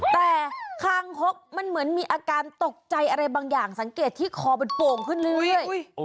แต่คางคกมันเหมือนมีอาการตกใจอะไรบางอย่างสังเกตที่คอมันโป่งขึ้นเรื่อย